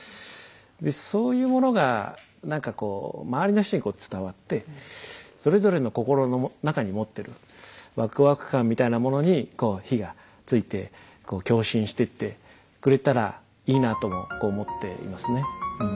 でそういうものが何かこう周りの人にこう伝わってそれぞれの心の中に持ってるワクワク感みたいなものに火がついて共振してってくれたらいいなとも思っていますね。